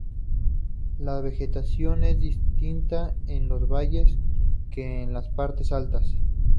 La vegetación es distinta en los valles que en las partes altas.